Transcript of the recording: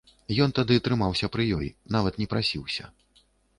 Ён тады трымаўся пры ёй, нават не прасіўся.